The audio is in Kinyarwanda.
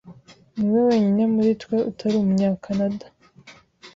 niwe wenyine muri twe utari Umunyakanada.